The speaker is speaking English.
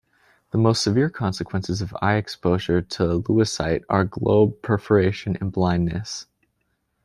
The most severe consequences of eye exposure to lewisite are globe perforation and blindness.